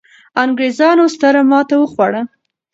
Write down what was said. انګرېزانو ستره ماته وخوړه.